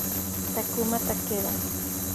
Takuma Takeda